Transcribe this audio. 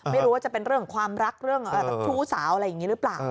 ไม่รู้ว่าจะเป็นเรื่องความรักเรื่องชู้สาวอะไรอย่างนี้หรือเปล่า